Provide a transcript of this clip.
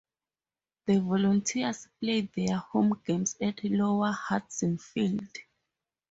The Volunteers played their home games at Lower Hudson Field.